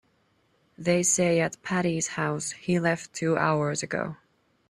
They say at Patti's house he left two hours ago.